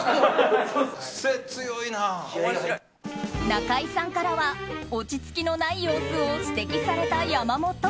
中井さんからは落ち着きのない様子を指摘された山本。